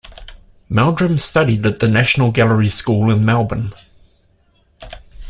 Meldrum studied at the National Gallery School in Melbourne.